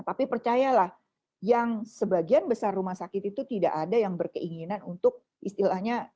tapi percayalah yang sebagian besar rumah sakit itu tidak ada yang berkeinginan untuk istilahnya